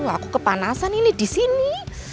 laku kepanasan ini di sini